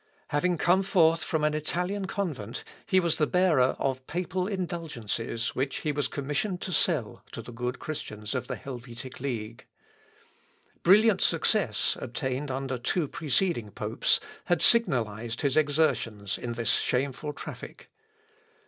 Having come forth from an Italian convent, he was the bearer of papal indulgences which he was commissioned to sell to the good Christians of the Helvetic league. Brilliant success, obtained under two preceding popes, had signalised his exertions in this shameful traffic.